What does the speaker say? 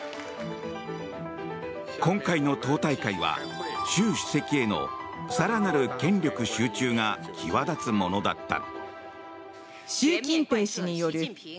今回の党大会は習主席への更なる権力集中が際立つものだった。